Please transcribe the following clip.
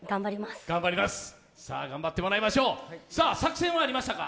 福原さん、頑張ってもらいましょう作戦はありましたか？